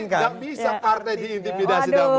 enggak bisa partai diintimidasi